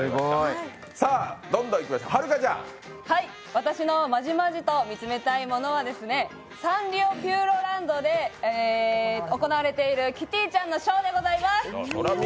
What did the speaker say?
私のまじまじと見つめたいものはサンリオピューロランドで行われているキティちゃんのショーでございます。